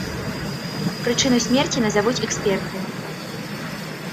Прычыну смерці назавуць эксперты.